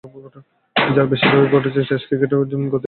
এবং যার বেশির ভাগই ঘটেছে টেস্ট ক্রিকেটে, যেখানে গতির চেয়ে স্থিতিই কাম্য।